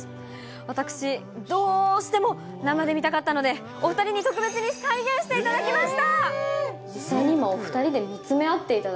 私、どうしても生で見たかったので、お２人に特別に再現していただきました。